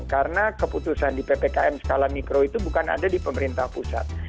karena keputusan di ppkm skala mikro itu bukan ada di pemerintah pusat